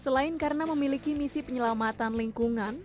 selain karena memiliki misi penyelamatan lingkungan